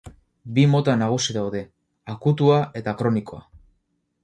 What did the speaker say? Bi mota nagusi daude: akutua eta kronikoa.